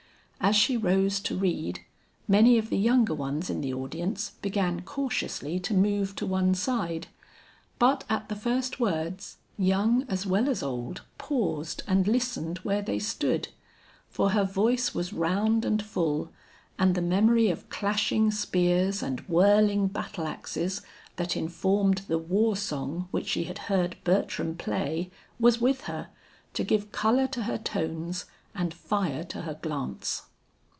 As she rose to read, many of the younger ones in the audience began cautiously to move to one side, but at the first words, young as well as old paused and listened where they stood, for her voice was round and full, and the memory of clashing spears and whirling battle axes that informed the war song which she had heard Bertram play, was with her, to give color to her tones and fire to her glance.